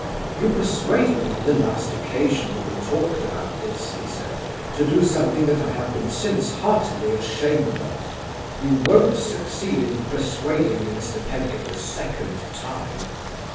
'You persuaded me on the last occasion when we talked about this,' he said, 'to do something that I have been since heartily ashamed of. You won't succeed in persuading me, Mr. Pedgift, a second time.